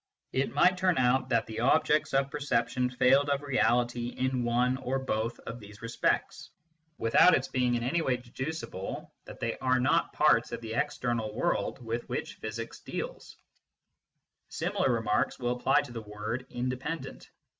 It might turn out that the objects of per ception failed of reality in one or both of these respects, without its being in any way deducible that they are 122 MYSTICISM AND LOGIC not parts of the external world with which physics deals Similar remarks will apply to the word " independent."